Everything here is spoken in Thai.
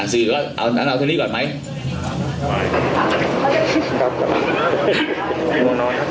ซื้อก็เอาทางนี้ก่อนไหม